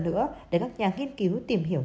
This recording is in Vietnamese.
nữa để các nhà nghiên cứu tìm hiểu